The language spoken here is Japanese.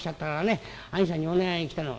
兄さんにお願いに来たの」。